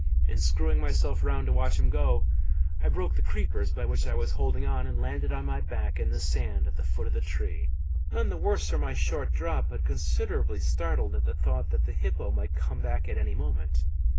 In screwing myself round to watch him go, I broke the creepers by which I was holding on and landed on my back in the sand at the foot of the tree none the worse for my short drop, but considerably startled at the thought that the hippo might come back at any moment.